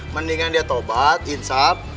mendingan dia tobat insaf